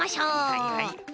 はいはい。